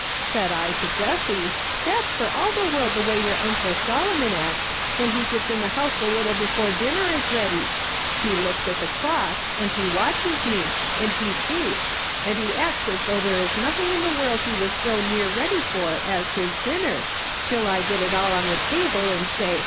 Said I to Jessie :' That's for all the world the way your uncle Solomon acts when he gets in the house a little before dinner is ready. He looks at the clock, and he watches me, and he gapes, and he acts as though there was nothing in the world he was so near ready for as his dinner, till I get it all on the table, and say.